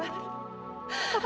masa selesai ratu